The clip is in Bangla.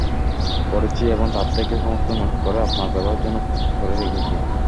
পড়েছি এবং তার থেকে সমস্ত নোট করে আপনার ব্যবহারের জন্য প্রস্তুত করে রেখেছি।